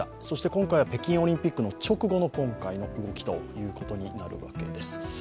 そして今回は北京オリンピックの直後の動きということになるわけです。